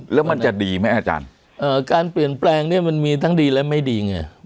แล้วมันจะดีไหมอาจารย์การเปลี่ยนแปลงเนี่ยมันมีทั้งดีและไม่ดีไง